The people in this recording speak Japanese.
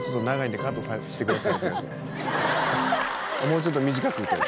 「もうちょっと短く」って。